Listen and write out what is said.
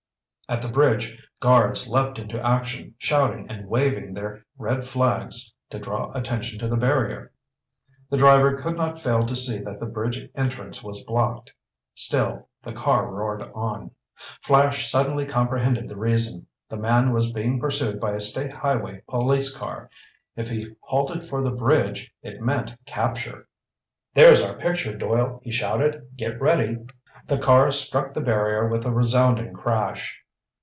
At the bridge, guards leaped into action, shouting and waving their red flags to draw attention to the barrier. The driver could not fail to see that the bridge entrance was blocked. Still the car roared on. Flash suddenly comprehended the reason. The man was being pursued by a state highway police car. If he halted for the bridge, it meant capture! "There's our picture, Doyle!" he shouted. "Get ready!" The car struck the barrier with a resounding crash.